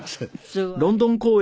すごい。